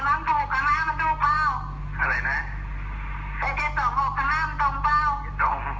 เป็นการสนทนาระหว่างป้าอ่าป้ารัตนากับผู้ชายอีกหนึ่งคน